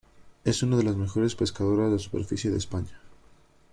Es una de las mejores pescadoras de superficie de España.